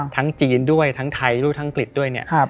ทั้งจีนด้วยทั้งไทยทั้งออังกฤษด้วยเนี่ย